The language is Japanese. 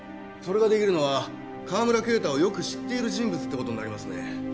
それが出来るのは川村啓太をよく知っている人物って事になりますね。